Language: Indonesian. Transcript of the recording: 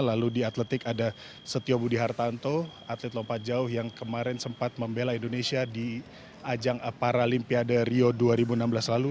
lalu di atletik ada setio budi hartanto atlet lompat jauh yang kemarin sempat membela indonesia di ajang paralimpiade rio dua ribu enam belas lalu